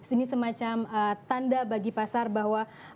ini semacam tanda bagi pasar bahwa